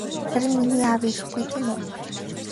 Харин миний аав ирэхгүй тийм үү?